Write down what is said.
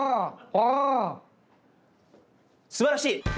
すばらしい！